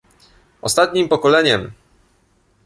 Ostatnim pokoleniem!